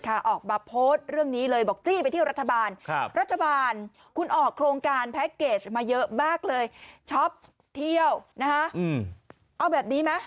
ก็มีการถามอะไรก็ไม่ลดเนี่ย